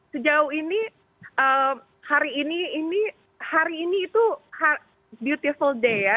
sejauh ini hari ini itu beautiful day ya